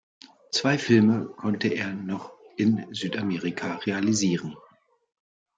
Zwei Filme konnte er noch in Südamerika realisieren.